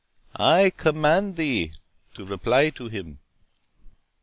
I command thee to reply to him."